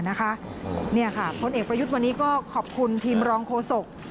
นี่ค่ะพลเอกประยุทธ์วันนี้ก็ขอบคุณทีมรองโฆษก